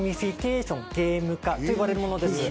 ゲーム化といわれるものです。